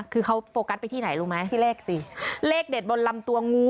คือเขาโฟกัสไปที่ไหนรู้ไหมที่เลขสิเลขเด็ดบนลำตัวงู